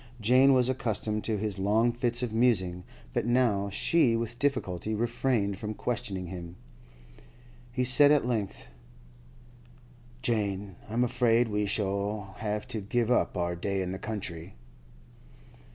Jane was accustomed to his long fits of musing, but now she with difficulty refrained from questioning him. He said at length: 'Jane, I'm afraid we shall have to give up our day in the country.